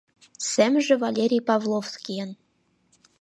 Семже Валерий Павловскийын